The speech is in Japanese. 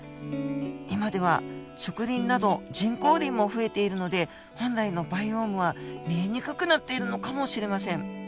今では植林など人工林も増えているので本来のバイオームは見えにくくなっているのかもしれません。